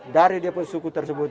dari dia pun suku tersebut